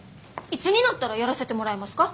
いつになったらやらせてもらえますか？